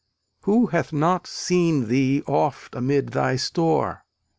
Who hath not seen thee oft amid thy store?